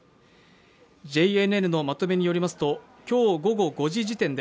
ＪＮＮのまとめによりますと今日午後５時時点で、